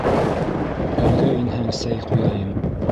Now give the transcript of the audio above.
Өйгә инһәң, сәй ҡуяйым.